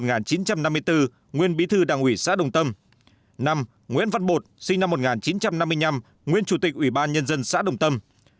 năm nguyễn văn bột sinh năm một nghìn chín trăm năm mươi năm nguyên chủ tịch ủy ban nhân dân xã đồng tâm